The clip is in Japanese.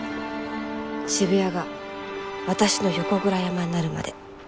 渋谷が私の横倉山になるまで。